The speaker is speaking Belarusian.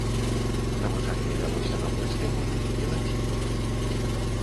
Навучанне вялося на польскай мове і лацінай.